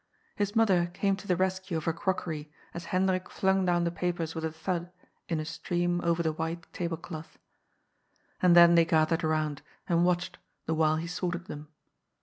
His mother came to the rescue of her crockery, as Hendrik flung down the papers with a thud in a stream over the white table ^loth. And then they gathered around, and watched, the while he sorted them.